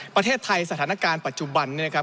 ประเทศไทยสถานการณ์ปัจจุบันนี้นะครับ